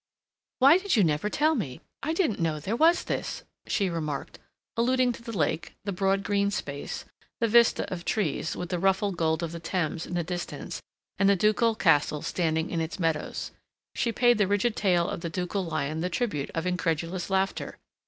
"Why did you never tell me? I didn't know there was this," she remarked, alluding to the lake, the broad green space, the vista of trees, with the ruffled gold of the Thames in the distance and the Ducal castle standing in its meadows. She paid the rigid tail of the Ducal lion the tribute of incredulous laughter.